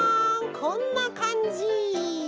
こんなかんじ。